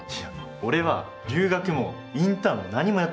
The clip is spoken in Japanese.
俺は留学もインターンも何もやってないの。